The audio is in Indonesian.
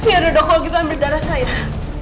ya udah kalau gitu ambil darah saya